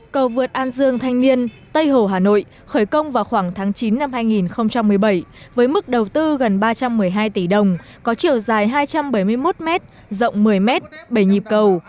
cầu vượt an dương thanh niên tây hồ hà nội khởi công vào khoảng tháng chín năm hai nghìn một mươi bảy với mức đầu tư gần ba trăm một mươi hai tỷ đồng có chiều dài hai trăm bảy mươi một m rộng một mươi m bảy nhịp cầu